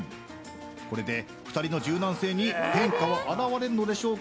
これで２人の柔軟性に変化は現れるのでしょうか。